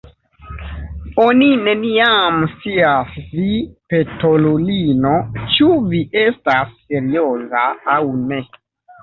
Oni neniam scias, vi petolulino, ĉu vi estas serioza aŭ ne.